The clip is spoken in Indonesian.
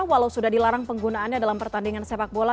walau sudah dilarang penggunaannya dalam pertandingan sepak bola